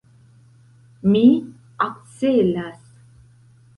Mi akcelas.